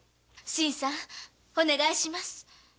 新さんお願いします。